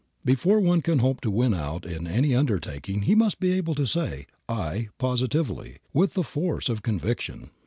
Before one can hope to win out in any undertaking he must be able to say "I" positively, with the force of conviction.